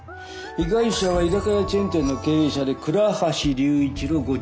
被害者は居酒屋チェーン店の経営者で倉橋龍一郎５１歳。